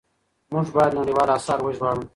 موږ بايد نړيوال آثار وژباړو.